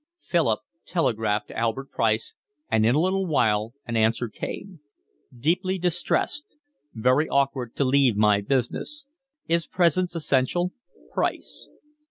Philip telegraphed to Albert Price, and in a little while an answer came: "Deeply distressed. Very awkward to leave my business. Is presence essential. Price."